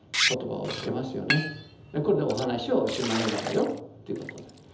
これでお話はおしまいなのよということで。